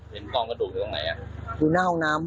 เห็นกล้องกระดูกอยู่ตรงไหนอยู่หน้าห้องน้ำ